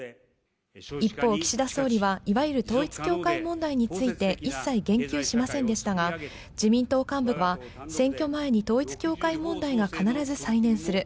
一方、岸田総理はいわゆる統一教会問題について一切言及しませんでしたが、自民党幹部は、選挙前に統一教会問題が必ず再燃する。